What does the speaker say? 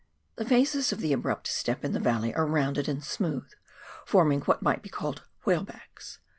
The faces of the abrupt " step " in the valley are rounded and smooth, form ing what might be called " whale backs."